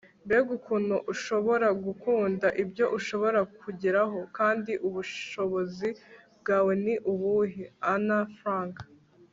mbega ukuntu ushobora gukunda! ibyo ushobora kugeraho! kandi ubushobozi bwawe ni ubuhe. - anne frank